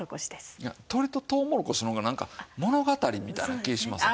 いや「鶏ととうもろこし」の方がなんか物語みたいな気しません？